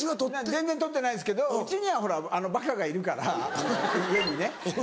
全然とってないですけどうちにはほらバカがいるから家にね。